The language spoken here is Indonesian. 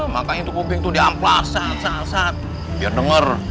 makanya kubing tuh diamplas saat saat biar denger